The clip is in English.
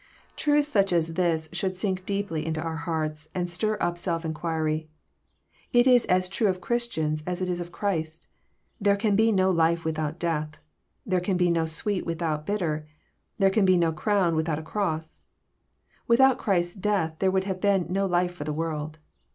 Truths such as these should sink deeply into our hearts, and stir up self inquiry. It is as tnie of Christians as it is of Christ, — there can be no life without death, there can be no sweet without bitter, there can be no crown without a cross. Without Christ's death there would have been no life for the world.